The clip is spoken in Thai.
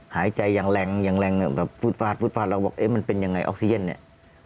หายใจอย่างแรงอย่างแรงแบบฟืดฟาดฟุดฟาดเราบอกเอ๊ะมันเป็นยังไงออกซิเจนเนี่ย